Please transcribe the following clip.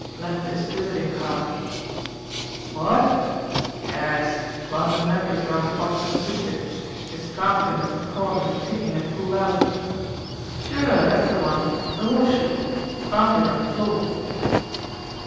Left his visiting card.... What?... Yes, wound a mattress around the box and souped it; his scarf pin must have caught in the ticking and pulled out.... Sure, that's the one the horseshoe found it on the floor....